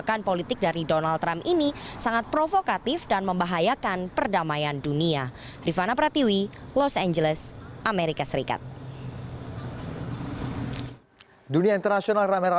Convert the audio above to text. keputusan trump dinilai membahayakan warga amerika di seluruh dunia